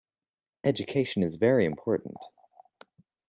Education is very important.